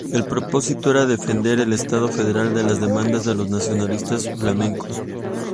El propósito era defender el estado federal de las demandas de los nacionalistas flamencos.